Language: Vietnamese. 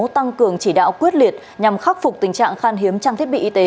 tăng cường chỉ đạo quyết liệt nhằm khắc phục tình trạng khan hiếm trang thiết bị y tế